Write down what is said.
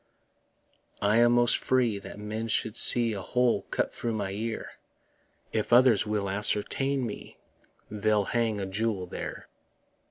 I am most free that men should see A hole cut through my ear; If others will ascertain me, They'll hang a jewel there.